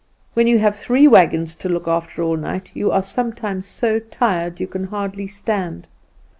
"When you have three wagons to look after all night, you are sometimes so tired you can hardly stand.